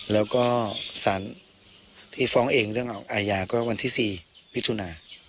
แล้วก็สารที่ฟ้องเองเรื่องเอาอาญาก็วันที่๔มิถุนา